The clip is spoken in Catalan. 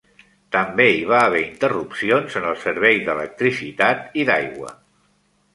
També hi va haver interrupcions en el servei d'electricitat i d'aigua.